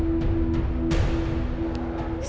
sama kayak si dewi